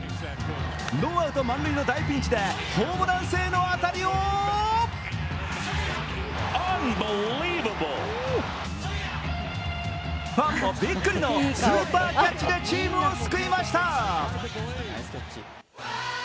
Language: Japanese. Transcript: ノーアウト満塁の大ピンチでホームラン性の当たりをファンもビックリのスーパーキャッチでチームを救いました。